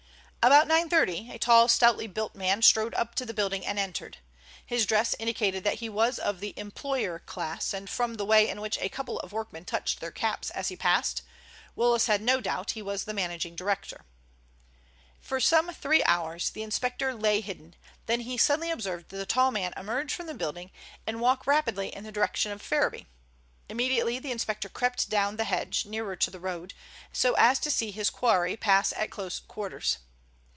About nine thirty a tall, stoutly built man strode up to the building and entered. His dress indicated that he was of the employer class, and from the way in which a couple of workmen touched their caps as he passed, Willis had no doubt he was the managing director. For some three hours the inspector lay hidden, then he suddenly observed the tall man emerge from the building and walk rapidly in the direction of Ferriby. Immediately the inspector crept down the hedge nearer to the road, so as to see his quarry pass at close quarters.